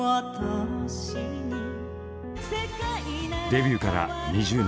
デビューから２０年